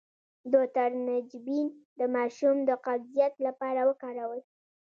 د ترنجبین د ماشوم د قبضیت لپاره وکاروئ